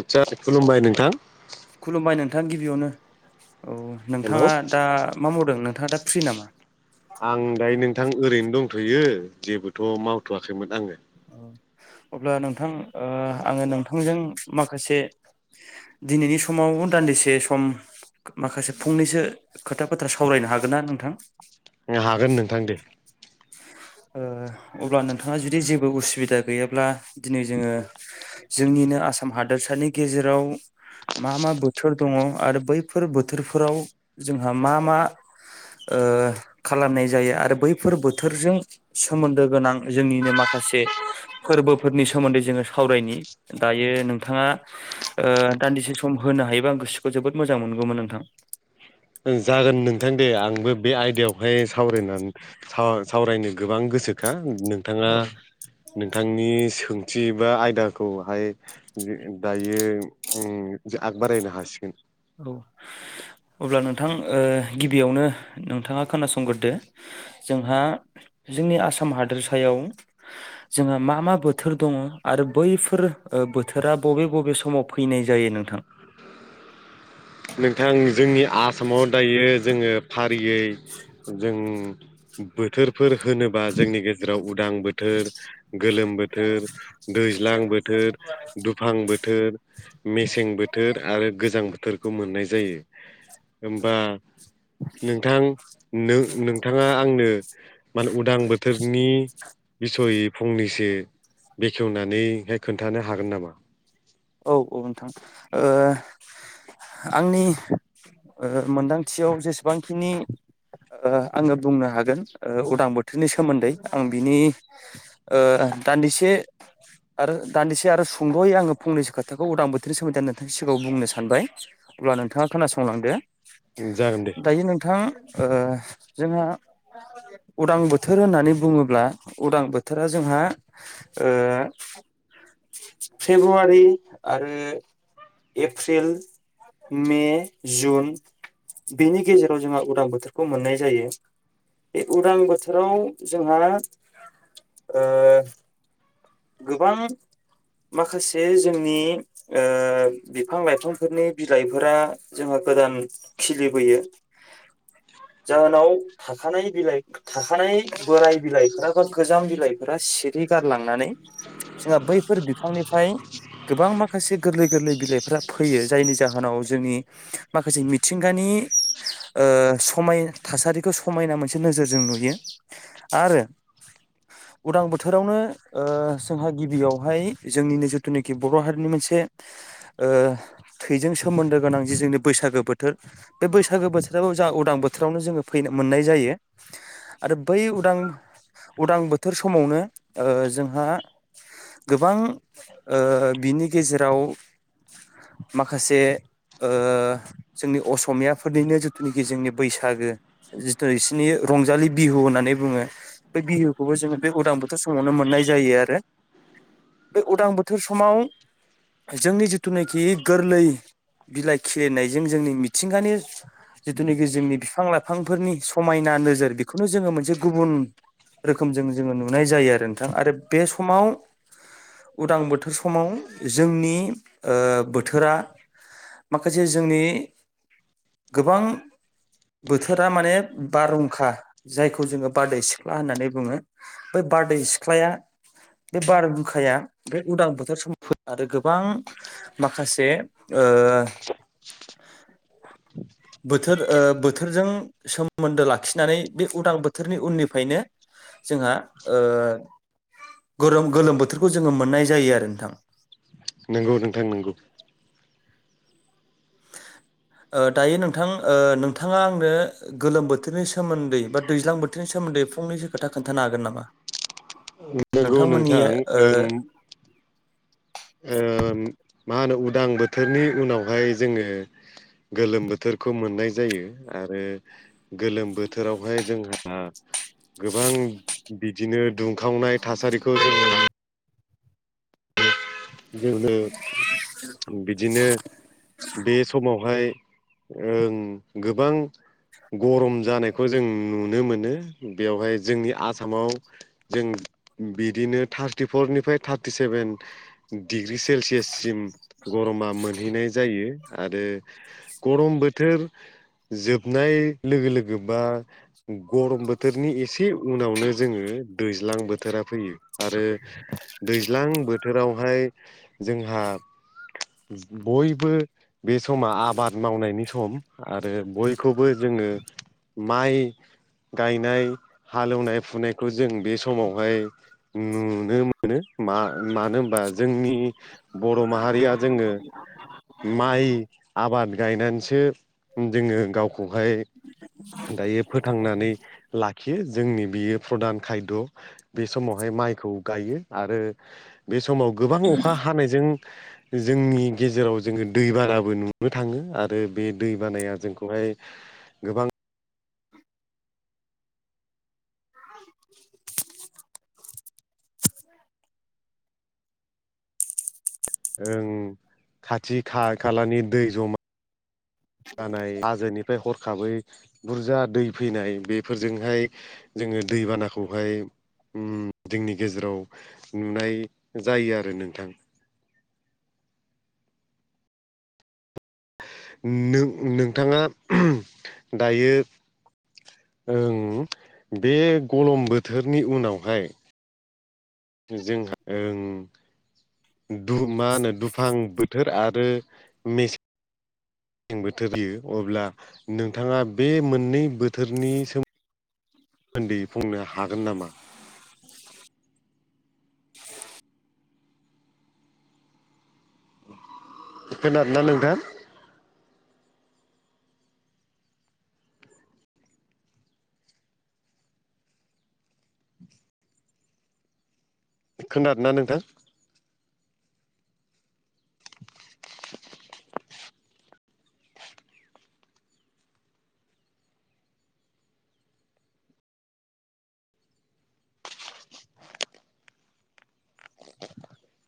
आदसा खुलुमबाय नोंथां खुलुमबाय नोंथाङा गिबियावनो औ हेलौ नोंथाङा दा मा मावदों नोंथाङा दा फ्रि नामा? आं दायो नोंथां ओरैनो दंथ'यो जेबोथ' मावथ'वाखैमोन आङो। अब्ला नोंथां ओ आङो नोंथांजों माखासे दिनैनि समाव दान्दिसे सम माखासे फंनैसो खोथा बाथ्रा सावरायनो हागोन ना नोंथां? हागोन नोंथां दे। ओ अब्ला नोंथाङा जुदि जेबो उसुबिदा गैयाब्ला दिनै जोङो जोंनिनो आसाम हादोरसानि गेजेराव मा मा बोथोर दङ आरो बैफोर बोथोरफोराव जोंहा मा मा ओ खालामनाय जायो आरो बैफोर बोथोरजों सोमोन्दो गोनां जोंनिनो माखासे फोरबोफोरनि सोमोन्दै जोङो सावरायनि दायो नोंथाङा ओ दान्दिसे सम होनो हायोबा आं गोसोखौ जोबोद मोजां मोनगौमोन नोंथां जागोन नोंथां दे आंबो बे आयदायावहाय सावरायनानै सा सावरायनो गोबां गोसोखा नोंथाङा औ नोंथांनि सोंथि बा आयदाखौहाय दायो आगबारायनो हासिगोन औ अब्ला नोंथां ओ गिबियावनो नोंथाङा खोनासंगोरोदो। जोंहा जोंनि आसाम हादोरसायाव जोंहा मा मा बोथोर दङ आरो बैफोर बोथोरा बबे बबे समाव फैनाय जायो नोंथां नोंथां जोंनि आसामाव दायो जोङो फारियै जों बोथोरफोर होनोबा जोंनि गेजेराव उदां बोथोर गोलोम बोथोर, दैज्लां बोथोर, दुफां बोथोर मेसें बोथोर आरो गोजां बोथोर खौ मोननाय जायो होमबा नोंथां नों नोंथाङा आंनो मान उदां बोथोर बेखेवनानैहाय खोन्थानो हागोन नामा? औ औ नोंथां ओ [unintelligible] ओ बुंनो हागोन उदां बोथोरनि सोमोन्दै आं बिनि ओ दान्दिसे आरो दान्दिसे आरो सुंल'यै आङो फंनैसो खोथाखौ उदां बोथोरनि सोमोन्दै आ नोंथांनि सिगाङाव बुंनो सानबाय अब्ला नोंथाङा खोनासंलांदो जागोन दे दायो नोंथां ओ जोंहा उदां बोथोर होननानै बुङोब्ला उदां बोथोरा जोंहा ओ फेब्रुवारि आरो एप्रिल मे जुन बेनि गेजेराव जोंहा उदां बोथोरखौ मोननाय जायो। बे उदां बोथोराव जोंहा ओ गोबां माखासे जोंनि ओ बिफां लाइफांफोरनि बिलाइफोरा जोङो गोदान खिलिबोयो जाहोनाव थाखानाय बिलाइ थाखानाय बोराय बिलाइफोरा बा गोजाम बिलाइफोरा से बे गारलांनानै जोंहा बैफोर बिफांनिफाय गोबां माखासे गोरलै गोरलै बिलाइफ फैयो जायनि जाहोनाव जोंनि माखासे मिथिंगानि ओ समाय थासारिखौ समायना मोनसे नोजोरजों नुयो आरो उदां बोथोरावनो ओ जोंहा गिबियावहाय जोंनि नोजोर जिथुनाखि बर' हारिनि मोनसे ओ थैजों सोमोन्दो गोनां जि जोंनि बैसागो बोथोर बे बैसागो बोथो आरो बै उदां उदां बोथोर समावनो ओ जोंहा गोबां बिनि ओ गेजेराव माखासे ओ जोंनि असमियाफोरनिनो जिथुनाखि जोंनि बैसागो जिथु इसिनि रंजालि बिहु होननानै बुङो। बे बिहुखौबो जोङो बे उदां बोथोर समावनो मोननाय जायो आरो बे उदां बो थोर समाव जोंनि जिथुनिखि गोरलै बिलाइ खिलिनायजों जोंनि मिथिंगानि जिथुनिखि जोंनि बिफां लाइफांफोरनि समायना नोजोर बेखौनो जोङो मोनसे गुबुन रोखोमजों जोङो नुनाय जायो आरो नोंथां आरो बे समाव उदां बोथोरान बोथोर समाव जोंनि बोथोरा माखासे जोंनि गोबां बोथोरा माने बारहुंखा जायखौ जोङो बारदै सिख्ला होननानै बुङो बै बारदै सिख्लाया बे बारहुंखाया बे उदां बोथोर समाव आरो गोबां माखासे ओ बोथोर ओ बोथोरजों सोमोन्दो लाखिनानै बे उदां बोथोरनि उननिफायनो जोंहा गोरोम गोलोम बोथोरखौ जोङो मोननाय जायो आरो नोंथां नंगौ नोंथां नंगौ ओ दायो नोंथां ओ नोंथाङा आंनो गोलोम बोथोरनि सोमोन्दै बा दैज्लां बोथोरनि सोमोन्दै फंनसो खोथा खोन्थानो हागोन नामा नंगौ नोंथां नोंथांमोननि ओ‌ मा होनो उदां बोथोरनि उनावहाय जोङो गोलोम बोथोरखौ मोननाय जायो आरो गोलोम बोथोरावहाय जोंहा गोबां बिदिनो दुंखावनाय थासारिखौ जोंङो लङो जो [unintelligible] बिदिनो बे समावहाय ओं गोबां गरम जानायखौ जों नुनो मोनो बेवहाय जोंनि आसामाव जों बिदिनो थारटिफरनिफ्राय थार्टि सेभेन डिग्रि सेलसियाससिम गरमा मोनहैनाय जायो आरो गरम बोथोर जोबनाय लोगो लोगो बा गरम बोथोरनि एसे उनावनो जोङो दैज्लां बोथोरा फैयो आरो दैज्लां बोथोरावहाय जोंहा बयबो बे समा आबाद मावनायनि सम आरो बयखौबो जोङो, माइ गायनाय हालेवनाय फुनायखौ जों बे समावहाय नुनो मोनो म मानो होनबा जोंनि बर' माहारिया जोङो माइ आबाद गायनानैसो जोङो गावखौहाय दायो फोथांनानै लाखियो जोंनि बियो प्रधान खायद' बे समावहाय माइखौ गायो आरो बे समाव गोबां अखा हानायजों [inaudible] जोंनि गेजेराव जोङो दै बानाबो नुनो थाङो आरो बे दै बानाया जोंखौहाय गोबां [inaudible] ओं खाथि खा खालानि दै जमा जानाय हाजोनिफ्राय हरखाबै बुरजा दै फैनाय बेफोरजोंहाय जोङो दैबानाखौहाय उम जोंनि गेजेराव नुनाय जायो आरो नोंथां नों-नोंथाङा दायो ओं बे गलम बोथोरनि उनावहाय जोंहाओ मा होनो दुफां बो थोर आरो मे सें बोथोर होयो अब्ला नोंथाङा बे मोननै बोथोरनि सोमोन्दै उन्दै बुंनो हागोन नामा? खोनारोना नोंथां? खोनादों ना नोंथां? [unintelligible]